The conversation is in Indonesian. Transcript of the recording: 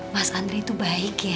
mas andri itu baik ya